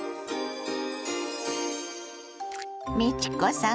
美智子さん